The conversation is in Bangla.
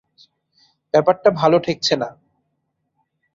ব্যাপারটা ভালো ঠেকছে না।